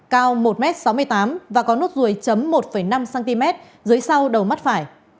cao một m sáu mươi tám và có nốt ruồi chấm một năm cm dưới sau đầu mắt phải